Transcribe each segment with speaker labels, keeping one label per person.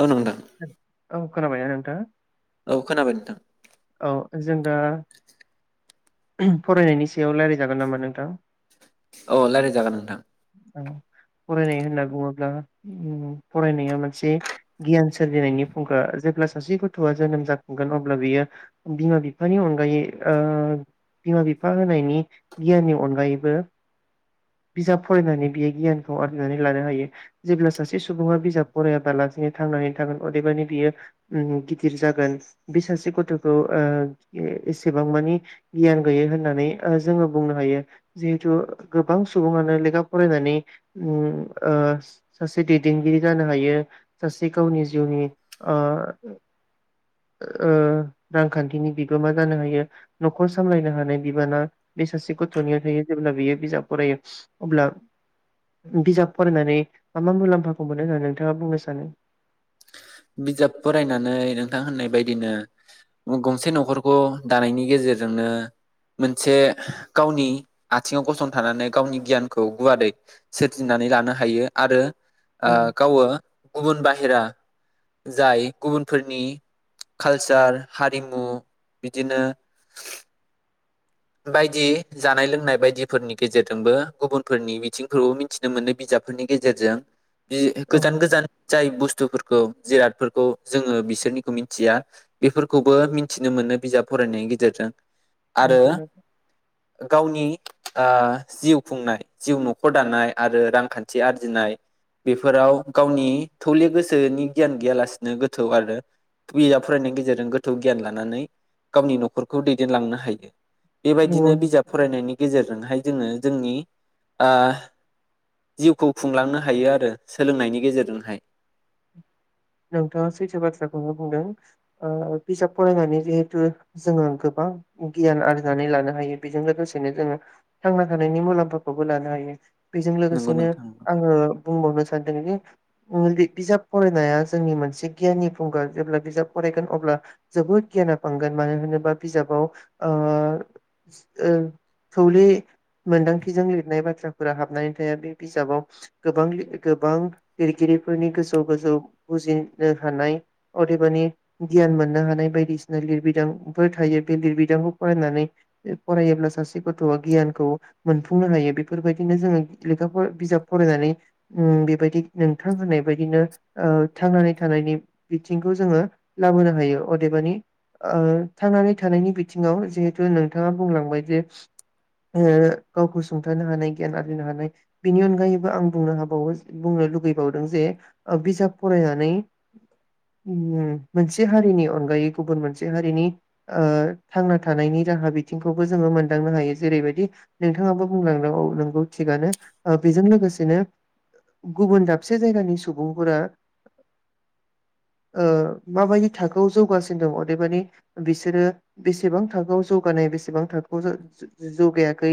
Speaker 1: औ नोंथां
Speaker 2: औ खोनाबाय ना नोंथाङा?
Speaker 1: औ खोनाबाय नोंथां।
Speaker 2: औ जों दा फरायनायनि सायाव रायजलायजागोन नामा नोंथां?
Speaker 1: औ रायज्लायजागोन नोंथां।
Speaker 2: औ फरायनाय होनना बुङोब्ला फरायनाया मोनसे गियान सोरजिनायनि फुंखा जेब्ला सासे गथआ जोनोम जाखांगोन अब्ला बियो बिमा बिफानि अनगायै बिमा बिफा होनायनि गियाननि अनगायैबो बिजाब फरायनानै बियो गियानखौ आरजिनानै लानो हायो जेब्ला सासे सुबुङा बिजाब फरायाबा लासेनो थांनानै थागोन अदेबानि बियो गिदिर जागोन बे सासे गथखौ एसेबां मानि गियान गैयै होननानै जोङो बुंनो हायो जिहेथु गोबां सुबुङानो लेखा फरायनानै सासे दैदेनगिरि जानो हायो सासे गावनि जिउनि रांखान्थिनि बिगोमा जानो हायो नखर सामलायनो हानाय बिबाना बे सासे गथनियाव थायो जेब्ला बियो बिजाब फरायो अब्ला बिजाब फरायनानै मा मा मुलाम्फाखौ मोनो होननानै नोंथाङा बुंनो सानो?
Speaker 1: बिजाब फरायनानै नोंथां होननाय बायदिनो गंसे नखरखौ दानायनि गेजेरजोंनो मोनसे गावनि आथिङाव गसंथानानै गावनि गियानखौ गुवारै सोरजिनानै लानो हायो आरो
Speaker 2: औ
Speaker 1: ओ गावो। गुबुन बाहेरा जाय गुबुनफोरनि कालचार हारिमु बिदिनो बायदि जानाय लोंनाय बायदिफोरनि गेजेरजोंबो गुबुनफोरनि बिथिंफोरखौ मिथिनो मोनो बिजाबफोरनि गेजेरजों।
Speaker 2: औ
Speaker 1: गोजान गोजान जाय बस बुस्थुफोरखौ जिरादफोरखौ जोङो बिसोरनिखौ मिथिया बेफोरखौबो मिथिनो मोनो बिजाब फरायनायनि गेजेरजों। आरो
Speaker 2: नंगौ नोंथां।
Speaker 1: गावनि जिउ खुंनाय जिउ नखर दानाय आरो रांखान्थि आरजिनाय बेफोराव गावनि थौले गोसोनि गियान गैयालासिनो गोथौ आरो बिजाब फरायनायनि गेजेरजों गोथौ गियान लानानै गावनि नखरखौ दैदेनलांनो हायो। बेबायदिनो
Speaker 2: नंगौ
Speaker 1: बिजाब फरायनायनि गेजेरजोंहाय जोङो जोंनि जिउखौ खुंलांनो हायो आरो सोलोंनायनि गेजेरजोंहाय।
Speaker 2: नोंथाङा सैथो बाथ्राखौनो बुंदों बिजाब फरायनानै जिहेथु जोङो गोबां गियान आरजिनानै लानो हायो बेजों लोगोसेनो जोङो थांना थानायनि मुलाम्फाखौबो लानो हायो। बेजों
Speaker 1: नंगौ
Speaker 2: लोगोसेनो
Speaker 1: नोंथां
Speaker 2: आङो बुंबावनो सानदों जे [unintelligible] बिजाब फरायनाया जोंनि मोनसे गियाननि फुंखा जेब्ला बिजाब फरायगोन अब्ला जोबोद गियाना बांगोन मानो होनोबा बिजाबाव थौले मोनदांथिजों लिरनाय बाथ्राफोरा हाबनानै थाया बे बिजाबाव गोबां गोबां लिरगिरिफोरनि गोजौ गोजौ बुजिनो हानाय अदेबानि गियान मोननो हानाय बायदिसिना लिरबिदांफोर थायो बे लिरबिदांखौ फरायनानै फरायोब्ला सासे गथआ गियानखौ मोनफुंनो हायो बेफोरबायदिनो जोङो लेखा बिजाब फरायनानै बेबायदि नोंथां होनाय बायदिनो थांनानै थानायनि बिथिंखौ जोङो लाबोनो हायो अदेबानि थांनानै थानायनि बिथिङाव जिहेथु नोंथाङा बुंलांबाय जे गावखौ सुंथानो हानाय गियान आरजिनो हानाय बिनि अनगायैबो आं बुंनो हाबावो बुंनो लुगैबावदों जे बिजाब फरायनानै मोनसे हारिनि अनगायै गुबुन मोनसे हारिनि थांना थानायनि राहा बिथिंखौबो जोङो मोनदांनो हायो जेरैबायदि नोंथाङाबो बुंलां नोंगौ थिगानो बेजों लोगोसेनो गुबुन दाबसे जायगानि सुबुंफोरा माबायदि थाखोआव जौगासिनो दङ अदेबानि बिसोरो बेसेबां थाखोआव जौगानाय बेसेबां थाखोआव जौगायाखै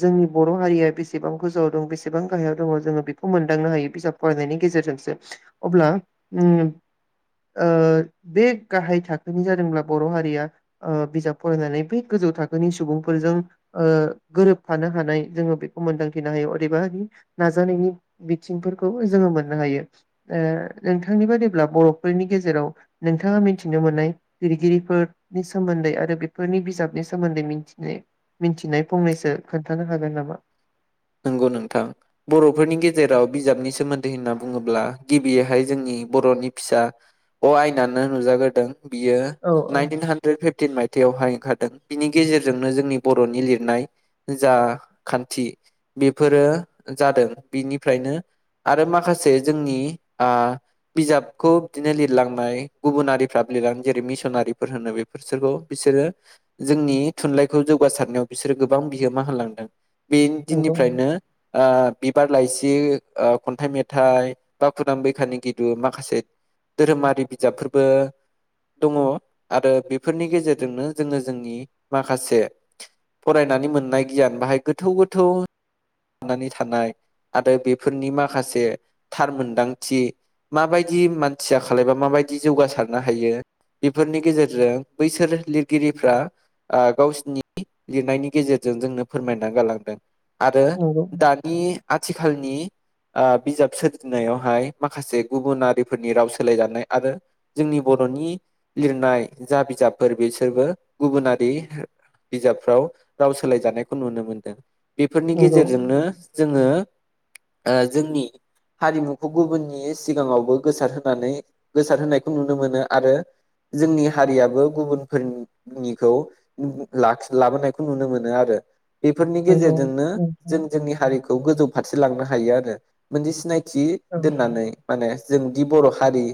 Speaker 2: जोंनि बर हारिया बेसेबां गोजौआव दं बेसेबां गाहायाव दङ जोङो बेखौ मोनदांनो हायो बिजाब फरायनायनि गेजेरजोंसो अब्ला बे गाहाय थाखोनि जादोंब्ला बर हारिया बिजाब फरायनानै बै गोजौ थाखोनि सुबुंफोरजों गोरोबफानो हानाय जोङो बेखौ मोनदांथिनो हायो अदेबानि नाजानायनि बिथिंफोरखौ जोङो मोननो हायो। नोंथांनि बादिब्ला बरफोरनि गेजेराव नोंथाङा मिथिनो मोननाय लिरगिरिफोरनि सोमोन्दै आरो बेफोरनि बिजाबनि सोमोन्दै मिथिनाय फंनैसो खोन्थानो हागोन नामा?
Speaker 1: नंगौ नोंथां बरफोरनि गेजेराव बिजाबनि सोमोन्दै होनना बुङोब्ला गिबियैहाय जोंनि बरनि फिसा अ आयनानो नुजाग्रोदों। बियो
Speaker 2: औ औ
Speaker 1: नाइनटिन हाड्रेद फिफटिन माइ थायावहाय ओंखारदों बिनि गेजेरजोंनो जोंनि बरनि लिरनाय जा खान्थि बेफोरो जादों बिनिफ्रायनो आरो माखासे जोंनि बिजाबखौ बिदिनो लिरलांनाय गुबुनारिफ्रा लिरलांदों जेरै मिसनारिफोर होनो बेफोरो बिसोरो जोंनि थुनलाइखौ जौगासारनायाव बिसोरो गोबां बिहोमा होलांदों बे
Speaker 2: नंगौ
Speaker 1: दिननिफ्रायनो ओ बिबार लाइसि ओ खन्थाइ मेथाइ बा खदां बैखानि गिदु माखासे धोरोमारि बिजाबफोरबो दङ आरो बेफोरनि गेजेरजोंनो जोङो जोंनि माखासे फरायनानै मोननाय गियान बाहाय गोथौ गोथौ गोथौ हाबनानै थानाय आरो बेफोरनि माखासे थार मोनदांथि माबायदि मानसिया खालायबा माबायदि जौगासारनो हायो बेफोरनि गेजेरजों बैसोर लिरगिरिफ्रा गावसिनि लिरनायनि गेजेरजों जोंनो फोरमायना गालांदों। आरो
Speaker 2: नंगौ
Speaker 1: दानि आ आथिखालनि ओ बिजाब सोरजिनायावहाय माखासे गुबुनारिफोरनि राव सोलायजानाय आरो जोंनि बर'नि लिरनाय जा बिजाबफोर बिसोरबो गुबुनारि बिजाबफ्राव राव सोलायजानायखौ नुनो मोनदों। बेफोरनि
Speaker 2: नंगौ
Speaker 1: गेजेरजोंनो जोङो। ओ जोंनि हारिमुखौ गुबुननि सिगाङावबो गोसारहानै गोसार होनोनायखौ नुनो मोनो आरो जोंनि हारियाबो गुबुनफोरनिखौ लाखि लाबोनायखौ नुनो मोनो आरो। बेफोरनि
Speaker 2: नंगौ
Speaker 1: गेजेर नो जों
Speaker 2: नोंथां
Speaker 1: जोंनि हारि बेखौ गोजौ फारसे लांनो हायो आरो मोनसे सिनाय जि
Speaker 2: औ औ
Speaker 1: दोननानै माने जों दि बर' हारि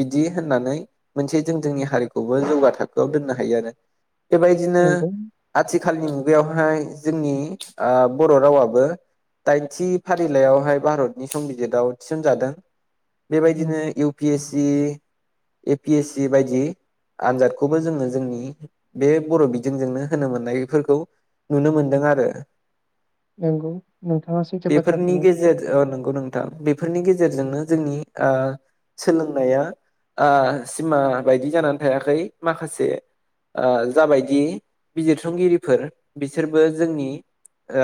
Speaker 1: बिदि होननानै मोनसे जों जोंनि हारिखौबो जौगा थाखोआव दोननो हायो आरो। बेबायदिनो
Speaker 2: नंगौ
Speaker 1: आथि आथिखालनि मुगायावहाय जोंनि ओ बर रावाबो दाइनथि फारिलाइयावहाय भारतनि संबिजितआव थिसनजादों।
Speaker 2: उम
Speaker 1: बेबायदिनो इउ पि एस बिदि ए पि एस सि बायदि आनजादखौबो जोङो जोंनि बे बर' बिजोंजोंनो होनो मोननायफोरखौ नुनो मोनदों आरो।
Speaker 2: नंगौ नोंथाङा सैथो
Speaker 1: बेफोरनि
Speaker 2: बाथ्राखौनो
Speaker 1: गेजेर ओ नंगौ नोंथां बेफोरनि गेजेरजोंनो जोंनि ओ सोलोंनाया ओ सिमा बायदि जानानै थायाखै माखासे ओ जाबायदि बिजिरसंगिरिफोर बिसोरबो जोंनि ओ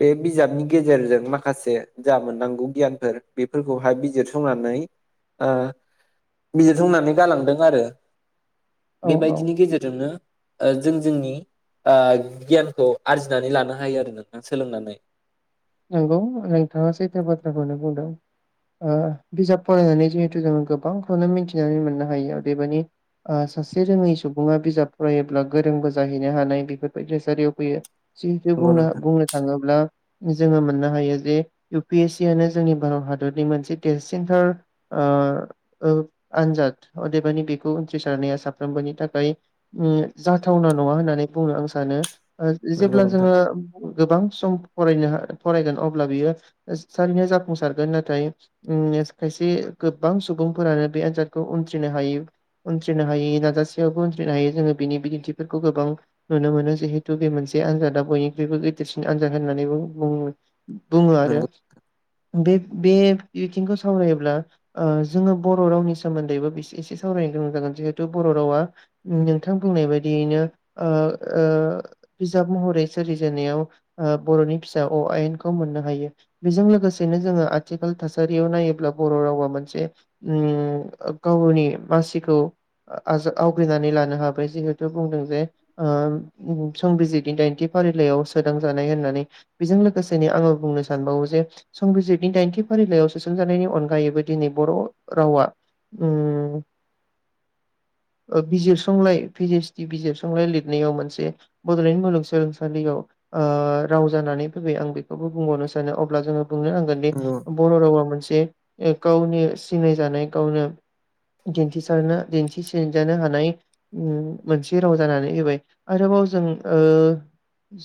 Speaker 1: बे बिजाबनि गेजेरजों माखासे जा मोननांगौ गियानफोर बेफोरखौहाय बिजिरसंनानै ओ बिजिरसंनानै गालांदों आरो।
Speaker 2: औ औ
Speaker 1: बेबायदिनि गेजेरजोंनो जों जोंनि ओ गियानखौ आरजिनानै लानो हायो आरो नोंथां सोलोंनानै।
Speaker 2: नंगौ नोंथाङा सैथो बाथ्राखौनो बुंदों ओ बिजाब फरायनानै जिहेथु जोङो गोबांखौनो मिथिनानै मोननो हायो अदेबानि ओ सासे रोङै सुबुङा बिजाब फरायोब्ला गोरोंबो जाहैनो हानाय बेफोरबायदि थासारियाव फैयो। जिहुतु
Speaker 1: नंगौ
Speaker 2: बुंनो
Speaker 1: नोंथां
Speaker 2: बुंनो थाङोब्ला जोङो मोननो हायो जे इउ पि एस सि आनो जोंनि भारत हादरनि मोनसे देरसिनथार ओ ओआनजाद अदेबानि बेखौ उथ्रिसारनाया साफ्रोमबोनि थाखाय जाथावना नङा होननानै बुंनो आं सानो। ओ
Speaker 1: नंगौ
Speaker 2: जेब्ला
Speaker 1: नोंथां
Speaker 2: जोङो गोबां सम फरायनो फरायगोन अब्ला बियो थारैनो जाफुंसारगोन नाथाय खायसे गोबां सुबुंफोरानो बे आनजादखौ उथ्रिनो हायो उनथ्रिनो हायि नाजासेयावबो उनथ्रिनो हायो जोङो बिनि बिदिन्थिफोरखौ गोबां नुनो मोनो जिहेथु बे मोनसे आनजादा बयनिख्रुइबो गिदेरसिन आनजाद। होननानैबो बुंङो। बुङो आरो
Speaker 1: नंगौ।
Speaker 2: बे बे बिथिंखौ सावरायोब्ला ओ जोङो बर' रावनि सोमोन्दैबो एसे-एसे सावरायनो गोनां जागोन जिहेथु बर' रावा नोंथां बुंनाय बायदियैनो ओ-ओ बिजाब महरै सोरजिजेननायाव ओ बर' नि फिसा अ आयेनखौ मोननो हायो बेजों लोगोसेनो जोङो आथिखाल थासारियाव नायोब्ला बर' रावा मोनसे उम गावनि मासिखौ आ आवग्रिनानै लानो हाबाय जिहेथु बुंदों जे ओ संबिजितनि दाइनथि फारिलाइयाव सोदों। होननानै बेजों लोगोसेनो आङो बुंनो सानबावो जे संबिजिरनि दाइनथि फारिलाइयाव सोसनजानायनि अनगायैबो दिनै बर' रावा उम बिजिरसंलाइ पिजिसतनि बिजिरसंलाइ लिरनायाव मोनसे बडलेण्ड मुलुगसोलोंसालियाव ओह राव जानानै फैयो आं बेखौबो बुंबावनो सानो अब्ला जोङो बुंनो नांगोन दि
Speaker 1: नंगौ
Speaker 2: बर रावा मोनसे ओ गावनि सिनायजानाय गावनो दिन्थिसारनो दिन्थिसिजानो हानाय उम मोनसे राव जानानै होबाय आरोबाव जों ओ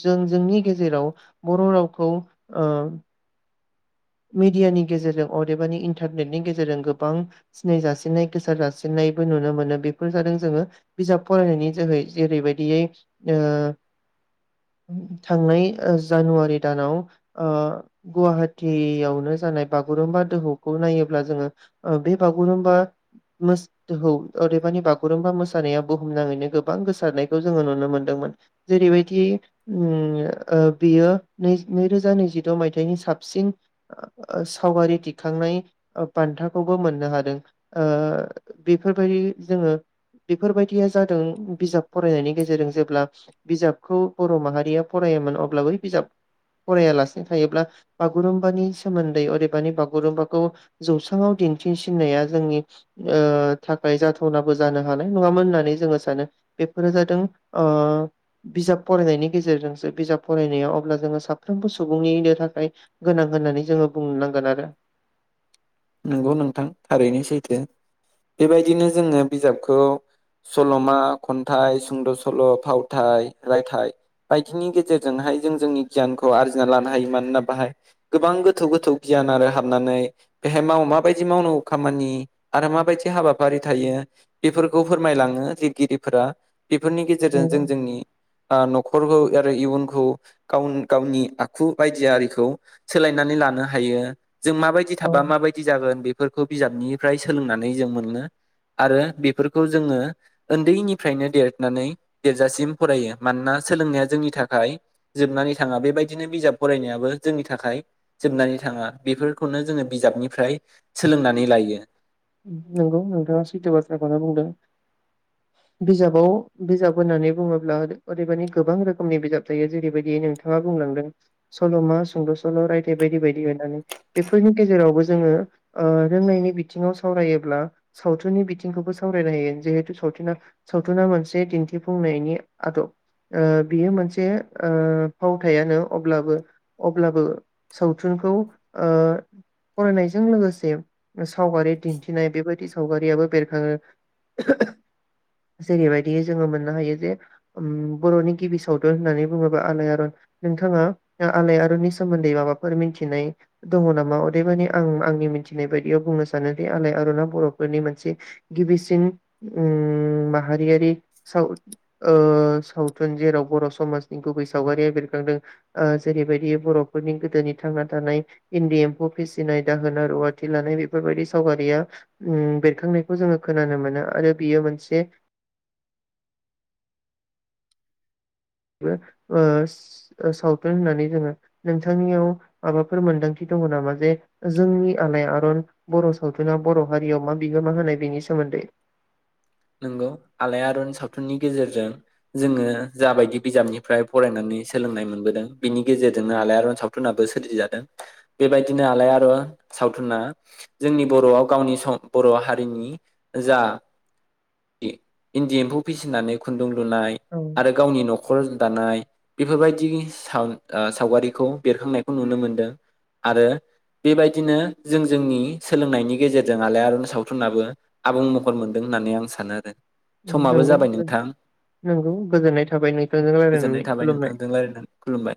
Speaker 2: जों जोंनि गेजेराव बर' रावखौ ओ मिडियानि गेजेरजों अदेबानि इन्टारनेटनि गेजेरजों गोबां सिनाय जासिननाय गोसार जासिननायबो नुनो मोनो बेफोर जादों जोङो बिजाब फरायनायनि जोहै जेरैबायदियै ओ थांनाय जानुवारि दानाव ओ गुवाहाटि गियावनो जानाय बागुरुम्बा दोहौखौ नायोब्ला जोङो बे बागुरुम्बा मोस दोहौ अदेबानि बागुरुमबा मोसानाया बुहुमनाङैनो गोबां गोसारनायखौ जोङो नुनो मोनदोंमोन। जेरैबायदि उम बेयो नै नैरोजा नैजिद मायथाइनि साबसिन ओ सावगारि दिखांनाय बान्थाखौबो मोननो हादों ओ बेफोरबायदि जोङो बेफोरबायदिया जादों बिजाब फरायनायनि गेजेरजों जेब्ला बिजाबखौ बर' माहारिया फरायोमोन अब्ला बै बिजाब फरायालासिनो थायोब्ला बागुरुम्बा बानि सोमोन्दै अदेबानि बागुरुम्बाखौ जौस्रांआव दिन्थिसिननाया जोंनि ओ थाखाय जाथावनाबो जानो हानाय नङामोन होननानै जोङो सानो बेफोरो जादों ओ बिजाब फरायनायनि गेजेरजोंसो बिजाब फरायनाया अब्ला जोङो साफ्रोमबो सुबुंनिनो थाखाय गोनां होननानै जोङो बुंनो नांगोन आरो।
Speaker 1: नंगौ नोंथां थारैनो सैथो बेबायदिनो जोङो बिजाबखौ सल'मा खन्थाइ सुंद' सल' फावथाय, रायथाइ बायदिनि गेजेरजोंहाय जों जोंनि गियानखौ आरजिना लानो हायो मानोना बाहाय गोबां गोथौ गोथौ गियान आरो हाबनानै बेहाय माव माबायदि मावनांगौ खामानि आरो माबायदि हाबाफारि थायो बेफोरखौ फोरमायलाङो लिरगिरिफोरा। बेफोरनि गेजेरजों जों
Speaker 2: नंगौ
Speaker 1: जोंनि आ नखरखौ आरो इयुनखौ गाव गावनि आखु बायदि आरिखौ सोलायनानै लानो हायो जों माबायदि
Speaker 2: औ
Speaker 1: बा माबायदि जागोन? बेफोरखौ बिजाबनिफ्राय सोलोंनानै जों मोनो आरो बेफोरखौ जोङो ओन्दैनिफ्रायनो देरनानै देरजासिम फरायो मानोना सोलोंनाया जोंनि थाखाय जोबनानै थाङा बेबायदिनो बिजाब फरायनायाबो जोंनि थाखाय जोबनानै थाङा बेफोरखौनो जोङो बिजाबनिफ्राय सोलोंनानै लायो।
Speaker 2: नंगौ नोंथाङा सैथो बाथ्राखौना बुंदों। बिजाबाव बिजाब होननानै बुङोब्ला अदे अदेबानि गोबां रोखोमनि बिजाब थायो जेरैबायदि नोंथाङा बुंलांदों सल'मा सुंद' सल' रायथाइ बायदि बायदि होननानै बेफोरनि गेजेरावबो जोङो ओ रोंनायनि बिथिङाव सावरायोब्ला सावथुननि बिथिंखौबो सावरायलायो जिहेथु सावथना सावथुना मोनसे दिन्थिफुंनायनि आदब ओ बियो मोनसे ओ फावथायानो अब्लाबो अब्लाबो सावथुनखौ ओ फरायनायजों लोगोसे सावगारि दिन्थिनाय बेबायदि सावगारियाबो बेरखाङो जेरैबायदि जोङो मोननो हायो जे उम बर'नि गिबि सावथुन होननानै बुङोबा आलायारन नोंथाङा आलायारननि सोमोन्दै माबाफोर मिथिनाय दङ' नामा अदेबानि आं आंनि मिथिनाय बायदियाव बुंनो सानो बे आलायआरना बर'फोरनि मोनसे गिबिसिन उम माहारियारि साव ओ सावथुन जेराव बर' समाजनि गुबै सावगारिया बेरखांदों जेरैबायदि बर'फोरनि गोदोनि थांना थानाय इन्दि एम्फौ फिसिनाय दाहोना रुवाथि लानाय बेफोरबायदि सावगारिया उम बेरखांनायखौ जोङो खोनानो मोनो आरो बेयो मोनसे बो ओ सो सावथुन होननानै जोङो नोंथांनियाव माबाफोर मोनदांथि दङ' नामा जे जोंनि आलायारन बर' सावथुना बर' हारियाव मा बिहोमा होनाय बेनि सोमोन्दै?
Speaker 1: नंगौ आलाय आरन सावथुननि गेजेरजों जोङो जाबायदि बिजाबनिफ्राय फरायनानै सोलोंनाय मोनबोदों बिनि गेजेरजोंनो आलायारन सावथुनाबो सोरजिजादों। बेबायदिनो आलायारन सावथुना जोंनि बर'आव गावनि सम बर' हारिनि जा इ-इन्दि एम्फौ फिसिनानै खुन्दुं नुनाय
Speaker 2: औ
Speaker 1: आरो गावनि नख खर दानाय बेफोरबायदि साव-सावगारिखौ बेरखांनायखौ नुनो मोनदों आरो बेबायदिनो जों जोंनि सोलोंनायनि गेजेरजों आलाय आरन सावथुनाबो आबुं महर मोनदों होननानै आं सा सानो आरो।
Speaker 2: नंगौ नंगौ गोजोननाय थाबाय नोंथांजों
Speaker 1: गोजोननाय
Speaker 2: रायलायनानै
Speaker 1: थाबाय
Speaker 2: खुलुमनाय।
Speaker 1: नोंथांजों रायज्लायनानै खुलुमबाय